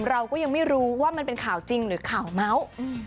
เราก็ยังไม่รู้ว่ามันเป็นข่าวจริงหรือข่าวเมาส์